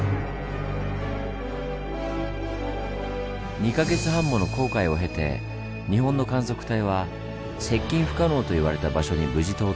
２か月半もの航海を経て日本の観測隊は接近不可能と言われた場所に無事到達。